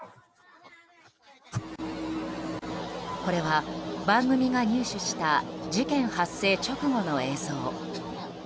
これは番組が入手した事件発生直後の映像。